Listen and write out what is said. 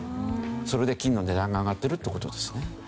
それで金の値段が上がってるって事ですね。